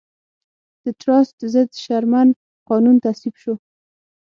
د ټراست ضد شرمن قانون تصویب شو.